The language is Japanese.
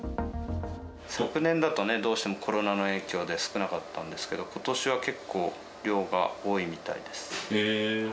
昨年だとね、どうしてもコロナの影響で少なかったんですけど、ことしは結構、量が多いみたいです。